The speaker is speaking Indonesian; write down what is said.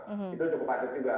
itu cukup adat juga